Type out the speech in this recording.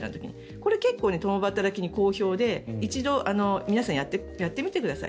これ、結構共働きに好評で一度皆さんやってみてください。